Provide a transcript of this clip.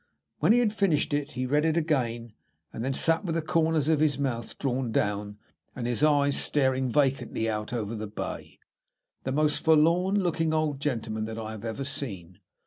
When he had finished it he read it again, and then sat with the corners of his mouth drawn down and his eyes staring vacantly out over the bay, the most forlorn looking old gentleman that ever I have seen.